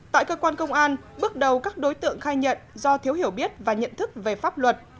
tại cơ quan công an bước đầu các đối tượng khai nhận do thiếu hiểu biết và nhận thức về pháp luật